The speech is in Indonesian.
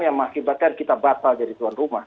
yang mengakibatkan kita batal jadi tuan rumah